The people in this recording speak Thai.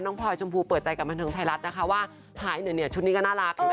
น้องพลอยชมพูเปิดใจกับบันเทิงไทยรัฐว่าหายเหนื่อยเนี่ยชุดนี้ก็น่ารักอยู่แนวนี้